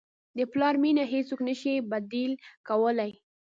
د پلار مینه هیڅوک نه شي بدیل کولی.